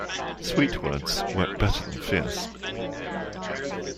Sweet words work better than fierce.